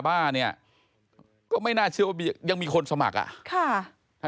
บ้านี่ก็ไม่น่าเชื่อว่ายังที่สมัคร